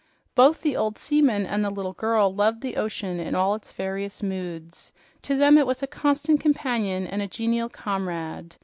Both the old seaman and the little girl loved the ocean in all its various moods. To them it was a constant companion and a genial comrade.